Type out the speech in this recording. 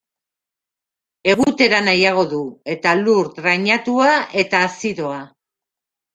Egutera nahiago du eta lur drainatua eta azidoa.